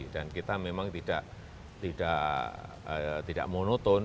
dan kita memang tidak monoton